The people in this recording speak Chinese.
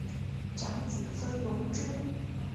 长子封隆之。